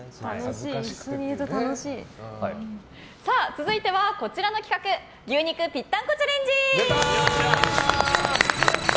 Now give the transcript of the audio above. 続いてはこちらの企画牛肉ぴったんこチャレンジ！